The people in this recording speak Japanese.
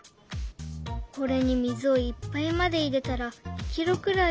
これに水をいっぱいまで入れたら２キロくらいか。